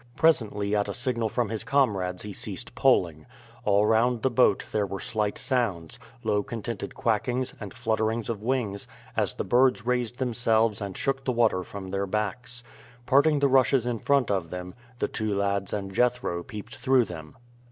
Presently at a signal from his comrades he ceased poling. All round the boat there were slight sounds low contented quackings, and fluttering of wings, as the birds raised themselves and shook the water from their backs. Parting the rushes in front of them, the two lads and Jethro peeped through them.